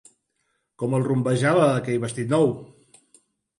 Com el rumbejava, aquell vestit nou!